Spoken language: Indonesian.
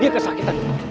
dia kesakit tadi